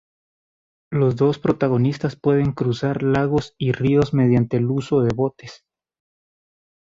Los dos protagonistas pueden cruzar lagos y ríos mediante el uso de botes.